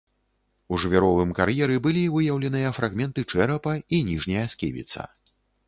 У жвіровым кар'еры былі выяўленыя фрагменты чэрапа і ніжняя сківіца.